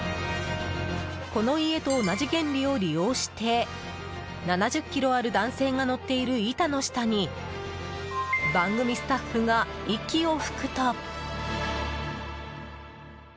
この家と同じ原理を利用して７０ｋｇある男性が乗っている板の下に番組スタッフが息を吹くと。